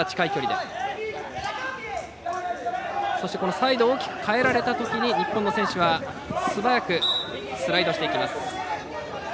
サイドを大きくかえられたときに日本の選手は素早くスライドしていきます。